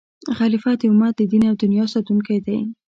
خلیفه د امت د دین او دنیا ساتونکی دی.